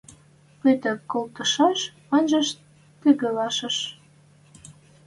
пыток колышташ, анжаш тӹнгӓлеш.